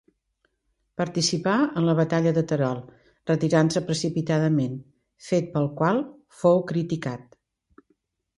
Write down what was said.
Participà en la batalla de Terol, retirant-se precipitadament, fet pel qual fou criticat.